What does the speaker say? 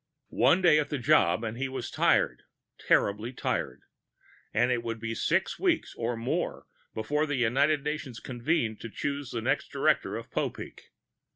One day at the job, and he was tired, terribly tired. And it would be six weeks or more before the United Nations convened to choose the next director of Popeek.